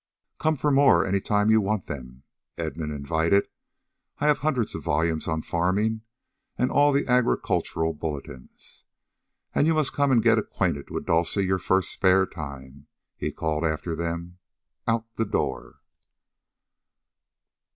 "Come for more any time you want them," Edmund invited. "I have hundreds of volumes on farming, and all the Agricultural Bulletins... . And you must come and get acquainted with Dulcie your first spare time," he called after them out the door.